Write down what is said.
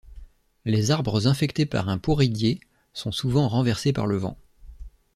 Les arbres infectés par un pourridié sont souvent renversés par le vent.